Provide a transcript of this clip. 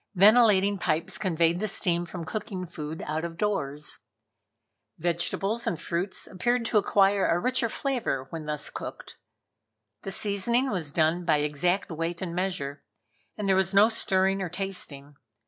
Ventilating pipes conveyed the steam from cooking food out of doors. Vegetables and fruits appeared to acquire a richer flavor when thus cooked. The seasoning was done by exact weight and measure, and there was no stirring or tasting.